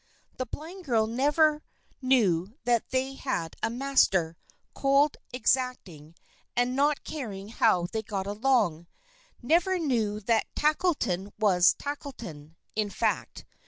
The blind girl never knew that they had a master, cold, exacting, and not caring how they got along never knew that Tackleton was Tackleton, in fact.